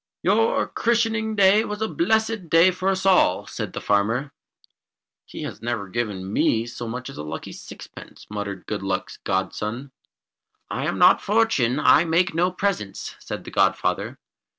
"Your christening day was a blessed day for us all," said the old farmer. "He has never given me so much as a lucky sixpence," muttered Good Luck's godson. "I am not Fortune I make no presents," said the godfather.